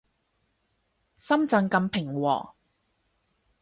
深圳咁平和